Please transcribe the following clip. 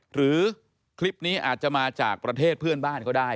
หรือคลิปนี้อาจจะมาจากประเทศเพื่อนบ้านก็ได้